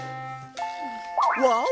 ワオ！